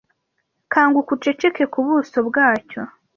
Kanguka uceceke. Ku buso bwacyo